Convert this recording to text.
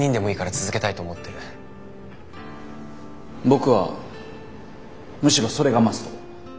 僕はむしろそれがマスト。